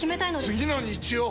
次の日曜！